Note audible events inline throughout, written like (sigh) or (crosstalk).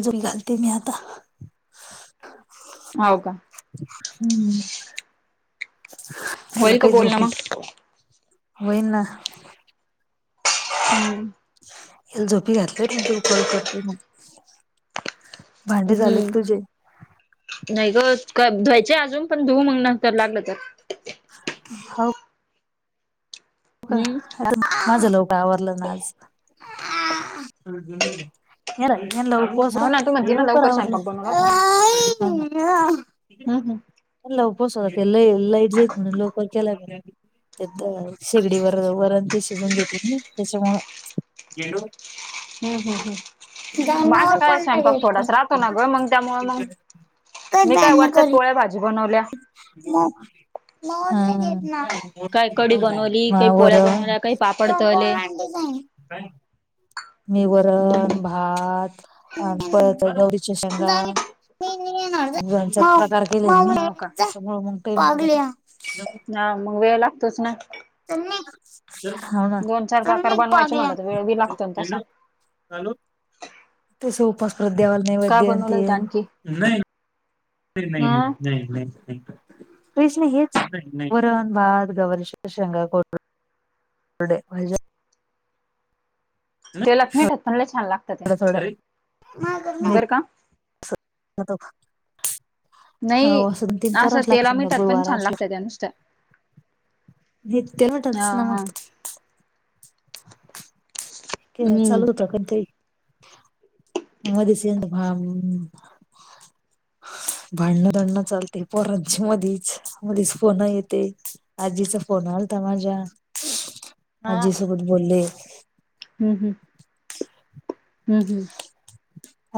अजूंन घालते मी आंता हांव कां हम्मं त्यांला होईल का कांहीं बोलणं झोंप मग होई नां हम्मं हीलां झोपी घातली मंग तुलां कॉल करते मंग हम्मं नाहीं गं धुवांयचे अजूंन पणं धुंव मंग नं तरं लागलं तरं हांव अं हम्म हंय माझं लवकरं आवरलं नां आंज त्यांना घेतेना लावूंन हो बसरां ना तू म्हणती ना लवकरं लवकर आवरलं स्वयंपाक बनवला होता. आई हं हं लवपस (unintelligible) लई, लई (unintelligible) शेगडी वर्र वरन ते शिजून घेतेत ना त्याच्यामुळं, येडू ह ह ह माझा मोर काय पण नाही स्वैपाक देत थोडाच राहतो ना ग मंग त्यामुळे मंग मी काय वर्च्यात पोळ्या भाजी बनवल्या. मॉ, मॉत (unintelligible) देत काय कडी बनवली ना. काही (inaudible) वर पोळ्या (inaudible) बनवल्या काही पापड तळले मी हम्म वरअन भा आत परत गौरीच्या शेंगा हो का (inaudible) पदा (inaudible) ना मग वेळ लागतोच ना? चल निग, (inaudible) हौना, दोन चार चल प्रकार निघ बनवायचे पागल्या, म्हणलं तर वेळ बी लागतो ना तसा. (inaudible) हॅलो, तसुन पास (unintelligible) द्वेवाला काय नैवैदयन बनवलं होत तेन, आणखी? नई (unintelligible) पैष् नाही हं हेच, (inaudible) वरण, भात, गवारीश शेंगा, कोलप वड्, भाज्या तेलात मिठात पण लई छान लागत्या त्या (inaudible) बरं का? आता भा स्च नाही हाव असन तेन असं करावंच तेला लागतं ना मिठात पण गुरवार छान अस लागत त्या नुसत्या हा (unintelligible) ना मग? हा ते हम्म चालू होतं कायत्तरी मधेच हे येतं भाम (inaudible) भांडणं दंडणं चालते पोरांची मधीच, मधीच फोनं येते आजीचा फोन आल्ता माझ्या (inaudible) आज्जी सोबत बोल्ले हं हं हं हं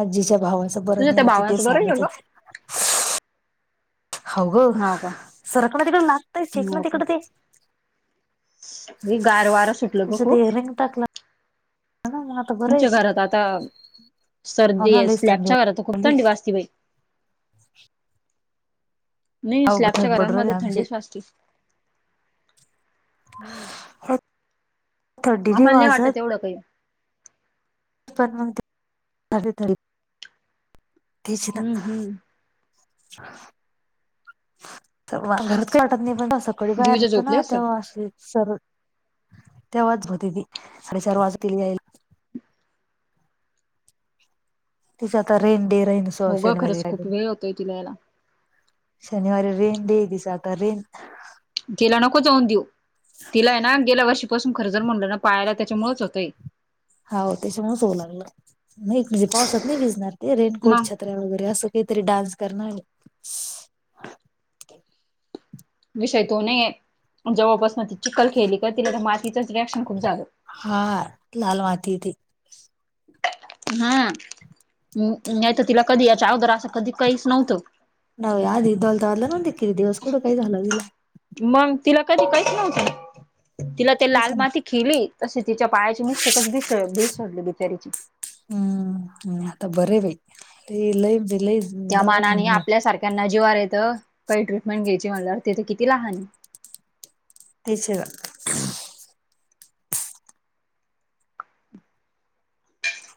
आज्जीच्या भावाचं बरं तुझ्या त्या नाईल्ते भावाचं बरं आहे सांगायचं गं काय? हौगं, हा का सरकना तकडं आत्ता येतंय इकडंतिकडं ते नि गार वारं सुटलं ग येच्यात खूप ए रेक टाकलं (unintelligible) तुमच्या घरात आता, हो सर्दी ना लईच असल्या थंडी च्याअर तर खूप वाजली थंडी वाजते बाई. नाही, हाव ग स्लॅबच्या थंड पडू राहिली घरांमध्ये आमची थंडीच असती. थंडी आम्हाला नाही वाटत वाजत येवढं काई. पण नंत्त आले तरी हम्म हम्म (unintelligible) त (unintelligible) मी बाहेर दिवीच्या होतो झोपली ना असल तवा असली, सरळ तेव्हाच होती ती, साडेचार वाजतील यायला. तिचं आता रेन डे राहीनच हो गं खरंच खूप वेळ होतोय तिलायला. शनिवारी रेन डेए तिचा आता रेन तिला नको जाऊन देऊ, तिलाय ना गेल्या वर्षीपासून खर जर म्हणलं ना पाहायला त्याच्यामुच होतंय. हाव त्याच्यामुळेच होऊ लागलं नाहीे पावसात नाही भिजणार ते मग रेनकोटच्यात वगैरे अस काहीतरी डान्स कर. विषय तो नाहीये जवळपास म ती चिकखल केली का तिला तर मातीच रिॲक्शन खूप झालं. हा लाल माती ती. हा नाही तर तिला कधी याच्या अगोदर असं कधी काहीच नव्हतं. नव याददी इवलवला नो देे कि दिवस कू काय झालगला. मग तिला कधी काहीच नव्हतं तिला ते तेच लाल ना माती. खेली तशी तिच्या पायाची मिस्टेकच भस भेसडली बिचारीची. हम्म हम् आता बरे हाय बाई लय म्हणजे लई दवाखान त्यांना जीवार येतं काही ट्रीटमेंट घ्यायची म्हणल्या तेथं किती लहान हाय. तेच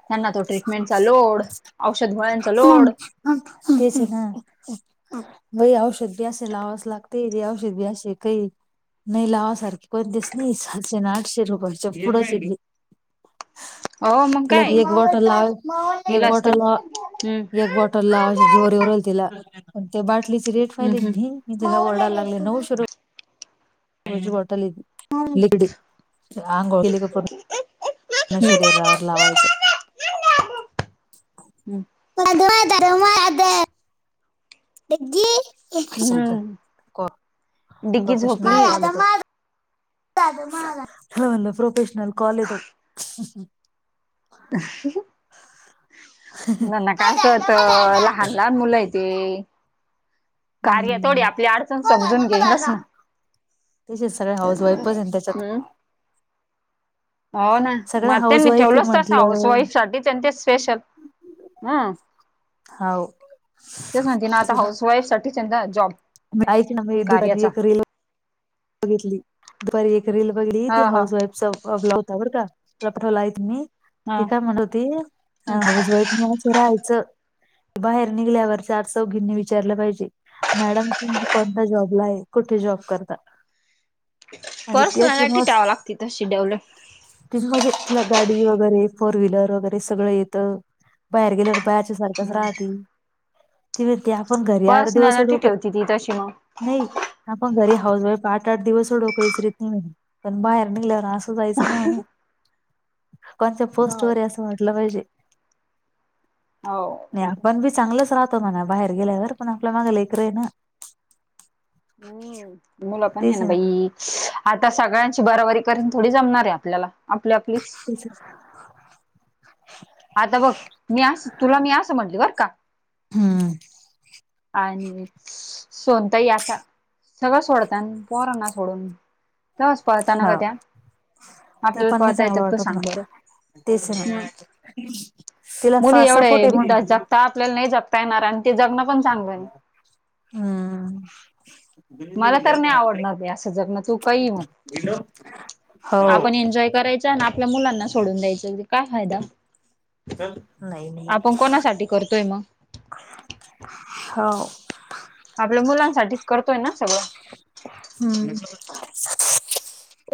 त्यांना तो ट्रीटमेंटचा लोड औषध व ह बस ह वई औषध बी असे लावाच लागते तेे औषध बी असे काही नाही लावासारखे कोणतीस नाही सातशे ना आठशे रुपयाच्या पुढं चिडली. हो मग तिला काय ते एक बॉटल ला एक इलाज तर बॉटल हम्म एक बॉटल ला जीवावर येऊ राहिले तिला पण त्या बाटलीची रेट पाहिली. हम्म हम्म तिला वरडायला लागली नऊशे रुपये. (unintelligible) आंगो पूर्ण पूण हम्म शरीर लावायच. हम्म. हम्म डिग्गी झोपली (inaudible) म्हटलं प्रोफेशनल कॉले तो. (inaudible) हम्म मुलाना काय कळतं लहान लहान मुल आहे ते. कार्य थोडी आपली अडचण समजून घेईलस ना. त्या सगळ्या हाऊस वाईफच त्याच्या. हम्म हो ना सगळ्या मग हाऊस त्यांनी वाईफ आहे ठेवलंच तस हाऊस म्हंटलं वाईफ साठी त्यांचे स्पेशल. हम, हाव तेच म्हणती ना आता हाऊस वाईफ साठी जॉब. ऐक ना बाई कार्याचा (unintelligible) बघितली दुपारी एक रील बघली ती हा हा हाऊस वाईफच. ब लावता बरं काला पठवला आहेत मी ती हा काय म्हणत होती हाऊस वाईफ राहायचं बाहेर निघल्यावर चार चौघींनी विचारलं पाहिजे. मॅडम तुम्ही कोणता जॉबला आहे, कुठे जॉब करता. आणि ती अशी पर्सटि टावं लागती तशि डेव्हलप. त म्हणजे तिला गाडी वगैरे फोर व्हीलर वगैरे सगळं येतं. बाहेर गेलेवर बाहेरच्या सारखंच राहती. ती भती अपण गरी आड पर्सनॅलिटी दिवसडोक. ठेवती ती तशी मग नाही आपण घरी हाऊस वाईफ आठ आठ दिवस सडोकहीचरीत नाही, पण बाहेर निघल्या रात जायच ना कोणत पोस्ट हो वर असं वाटलं पाहिजे. हो नाही ते तर आपण बी आहेच. चांगलच राहतो म्हणा बाहेर गेल्यावर पण आपल्या माग लेकर आहे ना. मुलं पण आहे ना बाई. आता सगळ्यांची बराबरी करून थोडी जमणार आहे आपल्याला आपली आपलीच. आहे. आता बघ मी अस तुला मी असं म्हटली बर का. हम्म. आणि सोनताही आता सगळं सोडतना परांना सोडून. तस पळताना का हा त्या. ते आपल्याला पण नाही पळता चांगलं येतात तू वाटत ना. सांग बरं तेचना. मग मुली एवढं बिंदास जगता आपल्याला नाही जगता येणार आणि ते जगणं पण चांगलं हाय. हम्म. मला तर नाही आवडणार असं जगण तू काहीही म्हण. हो आपण एन्जॉय करायचा आणि आपल्या मुलांना सोडून द्यायचं काय फायदा. नाही आपण कोणासाठी करतोय मग? हो‌. आपल्या मुलांसाठीच करतोय ना सगळं‌. हम्म.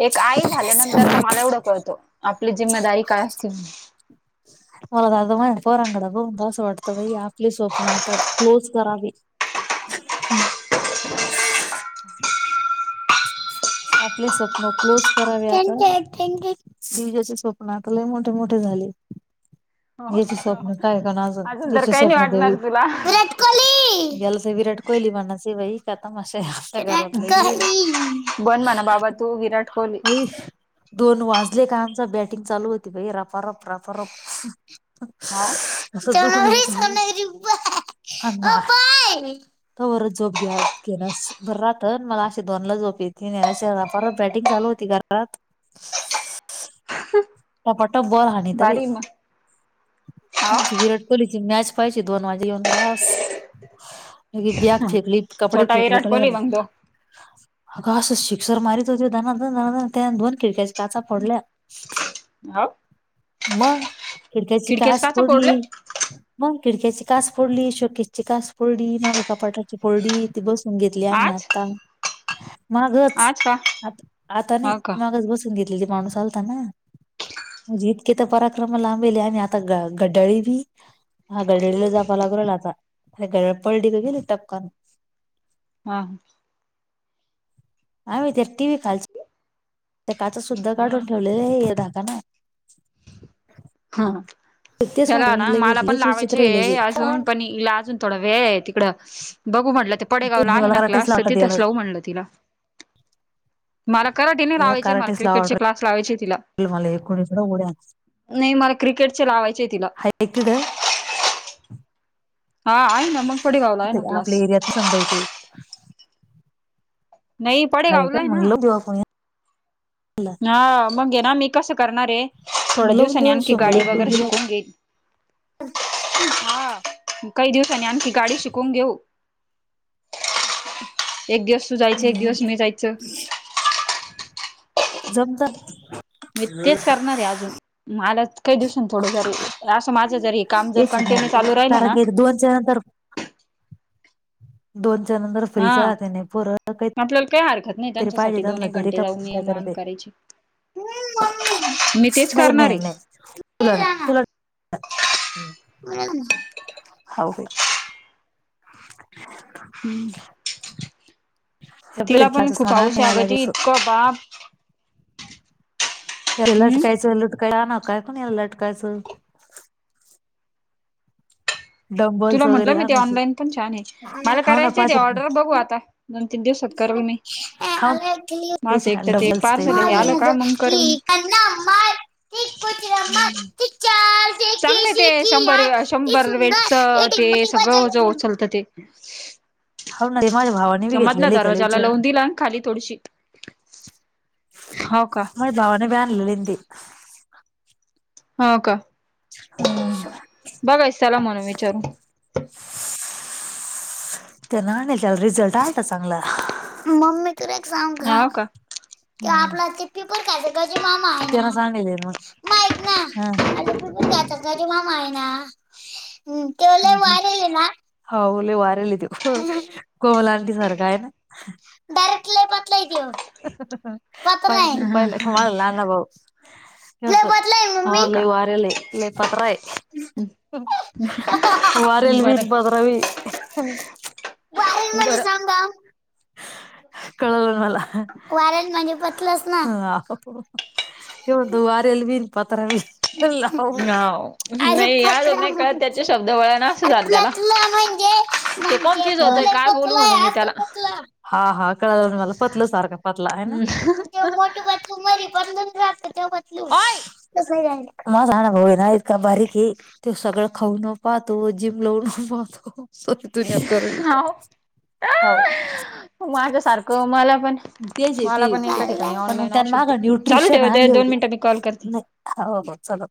एक आई झाल्यानंतर मला एवढं कळतो आपली जिम्मदारी असते. मला तर माझ्या पोरांना बघून असं वाटतं बाई की आपली स्वप्न आता क्लोज करावी. हम्म. आपले स्वप्न क्लोज करावी आता. दिवजाचे स्वप्न आता लई मोठे मोठे झाले. हो याचे स्वप्न ह. काय काना सो आपण तिचे स्वप्न तरी. याला तर विराट कोहली बनायचे बाई काय तमाशा आमच्या घरात बन मना बाबा तू विराट कोहली. (unintelligible) दोन वाजले का आमची बॅटिंग चालू होती भाई रफ रप रफारप. हो. (unintelligible) तो बरच झोप घ्या घेनास बरं राहत मला असे दोनला झोप येत. ती नाही रफारफ बॅटिंग चालू होती ना घरात. टपाटप बॉल हनीत बाई. बारी मग आमची हाव विराट कोहिलीची मॅच पाहायची दोन वाजे येऊन. बास. बॅग फेकली कपडे छोटा फेकली विराट कोहली मग तो अग शिक्सर मारत धना धना त्याने दोन खिडक्याच्या काचा पोडल्या. हो. मग खिडक्याची खिडक्याच काच काचा फोडले फोडली. मग खिडक्याची कास फोडली शोकेची कास फोडली माग कपाटाची फोडली ती बसून घेतली आम्ही आ आज आता. मागच आज का आता आता नाही हो का मागच बसवून घेतलेली माणूस आलता ना. म्हणजे इतके तर पराक्रम लांबेले आणि आता गटळी मी. हा घड्याळाला जावं लागलल आता अरे गड पळडी ग गेली टपकान. हा. आम्ही त्या टीव्ही खालचं त्या काच सुद्धा काढून ठेवलेले आहे धाका ना. ह. त्याला ना मला पण लईच विचित्र आहे लावायचे लगे अजून पण अजून थोडा वेळ आहे तिकडं बघू म्हटलं ते पडेगावला म्हणजे आहे मला ना कराटेच क्लास तर वाटत याला तिथस लाऊ म्हणलं तिला. मला कराटे नाही लावायचे मला क्रिकेटचे क्लास लावायचे तिला ते मला एकोणीस उड्या नाही मला क्रिकेटचे लावायचे आहे तिला (unintelligible) हा ऐक इथ आपल्या एरियाच सांगयेच- नाई पडे आहे का गावलाआहे मग ना- लावून देऊ आपण याला हां मग ये ना मी कशे करणारयें थोड लावून दिवसनी देऊ आणखी शंभूला गाडी आणि वगैरे डुगीला शिकवून घेयीन- (inaudible) हां काही दिवसांनी आणखी गाडी शिकवून घेऊ- एक दिवस तू जायचं एक दिवस मी जायचं- जमत (inaudible) मी तेच करणारयें अजून माला काही दिवसन थोडं जरी आसं माझ जरी- काम जर तेच ना कटीन्यू चालू राहिलं कारण नां- की दोनच्या (inaudible) दोन च्या नंतर फ्रीच हा राहतेंनी पोरा (inaudible) कायी- आपल्याला काही हरकत नाही त्यांच्यासाठी दोन एक घंटे जाऊन रिकामं येऊन आन करते करायची- मी तेच करणार आहे- दे चहा (inaudible) (inaudible) हुं- तिला पण फिरकीच खूप म्हणा हाऊस नाही याला अगती वेस इतकं बाप- याला हम्म लटकायचं लटकाय आण ना काय पण या लटकायचं- तुला डंबल्स म्हटलं वगैरे मी ते आणायचे ऑनलाईन पण छान आहे. मला हाव ना करायच पाहतात ना तेऑर्डर बघू आता- दोन तीन दिवसात करवने मी हाव ते माझं शिका एकदा ते डबल्स हो पार्सल येते आल का मग करल. (inaudible) ती कुछ रमत ती चार्ज चांगलंय ते शंभर शंभर वेटच ते सगळं ओझ उचलतं ते- (inaudible) ते माझ्या भावाने बी त्या मधला घेतलेले त्याला दरवाजाला विचारून लावून दिला खाली थोडीशी- हाव का? माझ्या भावाने बे आणलेले ते. हाव का? हं- बघाय चला म्हणून विचारू- तो लहान आहे त्याला रिझल्ट आलता चांगला. मम्मी तुला एक सांगु का? ते आपला ते पिपर खालचा गजु मामा आहे. त्याला सांगलेय म माहीत नाय. हां आता पिपरखायचा गजु मामा आहे ना हुं तो- हुं हुं- व्हायरल आहे ना हाव लय व्हायरल आहे तो हो कोमला आन्टी सारखं आहे ना डायरेक्ट लय पातला हाय तो (unintelligible) पातला हाय पहिले का माझा लाहाना भाऊ- लय पतला हय मम्मी हो का लय वायरल लय पातला हाय (unintelligible) वारेल बरं बीन पद्रवी- वारेल म्हणजे बरं झाम धाम. कळल मला. वारेल म्हणजे पटलस- अहो त्यो म्हणतो वारेल बीन पत्रा बी हो अरे नाही याद पतरा नाही कळत म्हणजे, त्याचे शब्द वळण असं अरे झालं त्याला पतला म्हणजे ते कोण? म्हणजे तेच तो होतय, लय काय बोलू पतला म्हणू आहे मी असं त्याला. पतला. हा हा कळालं मला पतलू सारखा पतला आहे ना. ते (unintelligible) (unintelligible) ओय माझा लहाणा भाऊ ना इतका बारीक आहे. तो सगळ खाऊनही पाहतो. जिम लावूनही पाहतो. करली अहो, हो माझ्या सारख. मला पण तेच आहे मला ते पण एक ठीकाणी पण मग ऑनलाईन त्यान औषध माग ते, चालू न्यूट्रिशन ठेवा ताई‌ मी आणले दोन होते मिनिटात कॉल करते. नाही हो बचलो